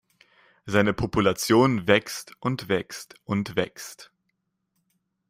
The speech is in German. Seine Population wächst und wächst und wächst.